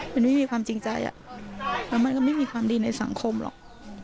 มันไม่มีความจริงใจแล้วมันก็ไม่มีความดีในสังคมหรอก